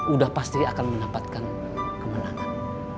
udah pasti akan mendapatkan kemenangan